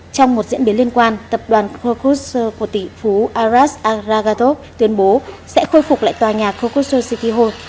trong một diễn biến liên quan tập đoàn korkus của tỷ phú aras agragatov tuyên bố sẽ khôi phục lại tòa nhà korkus city hall